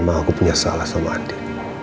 dia memang aku punya salah sama adi